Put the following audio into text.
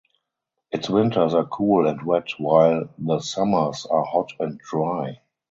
Its winters are cool and wet while the summers are hot and dry.